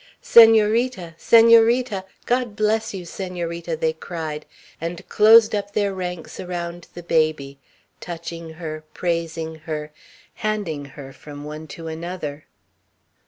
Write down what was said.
"Senorita! Senorita! God bless you, Senorita!" they cried; and closed up their ranks around the baby, touching her, praising her, handing her from one to another.